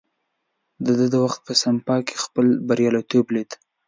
ده د وخت په سپما کې خپل برياليتوب ليد.